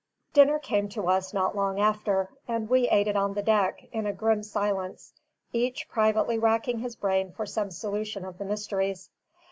Dinner came to us not long after, and we ate it on deck, in a grim silence, each privately racking his brain for some solution of the mysteries.